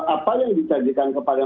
apa yang dijadikan kepada